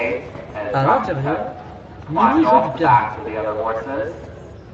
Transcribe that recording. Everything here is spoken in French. À l'intérieur, Minnie joue du piano.